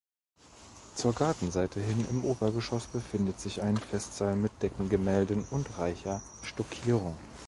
Zur Gartenseite hin, im Obergeschoss, befindet sich ein Festsaal mit Deckengemälden und reicher Stuckierung.